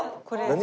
何？